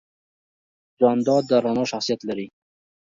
جانداد د رڼا شخصیت لري.